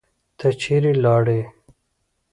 ته چیرې لاړې؟